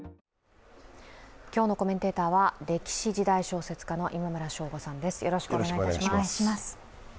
今日のコメンテーターは歴史・時代小説家の今村翔吾さんです。